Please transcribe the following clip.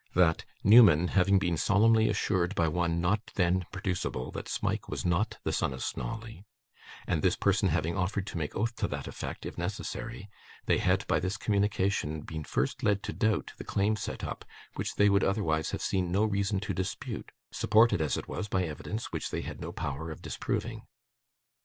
That, Newman, having been solemnly assured by one not then producible that Smike was not the son of Snawley, and this person having offered to make oath to that effect, if necessary, they had by this communication been first led to doubt the claim set up, which they would otherwise have seen no reason to dispute, supported as it was by evidence which they had no power of disproving.